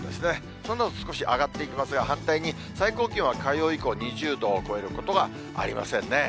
そのあと少しずつ上がっていきますが、反対に最高気温は火曜以降、２０度を超えることがありませんね。